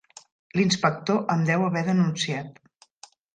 L'inspector em deu haver denunciat.